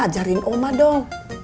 ajarin oma dong